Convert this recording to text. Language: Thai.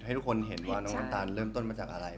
ให้ทุกคนเห็นว่าน้องน้ำตาลเริ่มต้นมาจากอะไร